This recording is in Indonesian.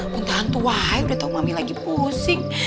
bentahan tuah ayo udah tau mami lagi pusing